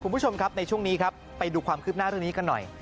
คุณผู้ชมในช่วงนี้ไปดูความคืบหน้าด้านนี้ก็หน่อย